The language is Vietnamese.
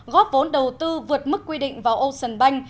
góp vốn đầu tư vượt mức quy định vào ocean bank